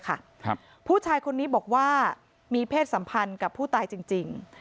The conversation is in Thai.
ครับผู้ชายคนนี้บอกว่ามีเพศสัมพันธ์กับผู้ตายจริงจริง